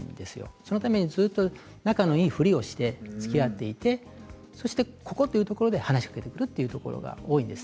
そのために、ずっと仲のいいふりをして、つきあっていてここというところで話しかけてくるというところが多いんです。